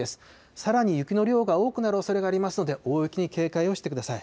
さらに雪の量が多くなるおそれがありますので、大雪に警戒をしてください。